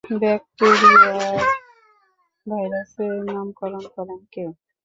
Bacteriophage ভাইরাসের নামকরণ করেন কে?